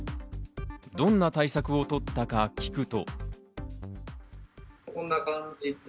どんな対策をとったか聞くと。